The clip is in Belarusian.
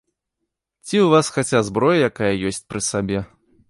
Ці ў вас хаця зброя якая ёсць пры сабе?